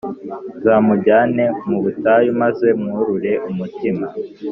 nzamujyane mu butayu maze mwurure umutima.